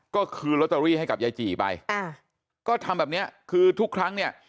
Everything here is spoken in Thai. ก็คืนลอตเตอรี่ให้กับยายจี่ไปอ่าก็ทำแบบเนี้ยคือทุกครั้งเนี่ย